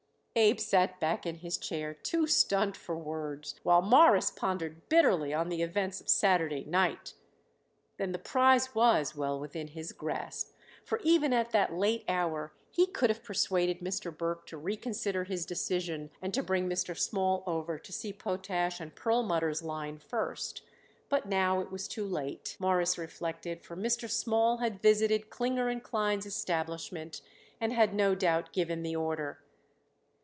Abe sat back in his chair too stunned for words, while Morris pondered bitterly on the events of Saturday night. Then the prize was well within his grasp, for even at that late hour he could have persuaded Mr. Burke to reconsider his decision and to bring Mr. Small over to see Potash & Perlmutter's line first. But now it was too late, Morris reflected, for Mr. Small had visited Klinger & Klein's establishment and had no doubt given the order.